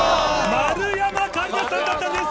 丸山桂里奈さんだったんです。